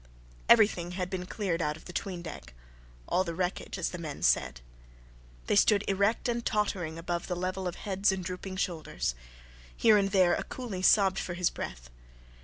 Everything had been cleared out of the 'tween deck all the wreckage, as the men said. They stood erect and tottering above the level of heads and drooping shoulders. Here and there a coolie sobbed for his breath.